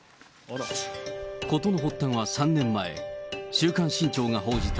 事の発端は３年前、週刊新潮が報じた、